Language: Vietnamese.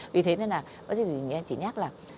vì thế nên là bác sĩ thủy chỉ nhắc là